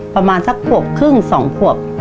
ประมาณสักขวบครึ่ง๒ขวบ